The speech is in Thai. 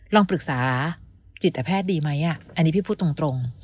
ลองปรึกษาจิตแพทย์ดีไหมอันนี้พี่พูดตรง